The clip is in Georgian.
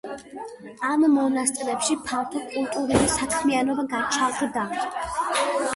ამ მონასტრებში ფართო კულტურული საქმიანობა გაჩაღდა.